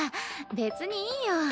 別にいいよ。